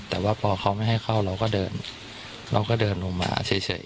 แต่ว่าพอเขาไม่ให้เข้าเราก็เดินเราก็เดินลงมาเฉย